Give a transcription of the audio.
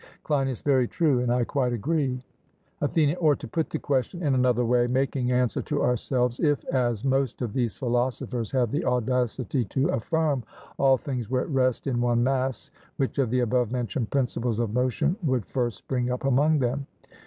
CLEINIAS: Very true, and I quite agree. ATHENIAN: Or, to put the question in another way, making answer to ourselves: If, as most of these philosophers have the audacity to affirm, all things were at rest in one mass, which of the above mentioned principles of motion would first spring up among them?